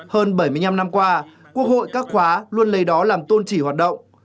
hơn bảy mươi năm năm qua quốc hội các khóa luôn lấy đó làm tôn chỉ hoạt động